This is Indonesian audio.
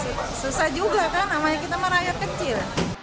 susah juga kan namanya kita merayat kecil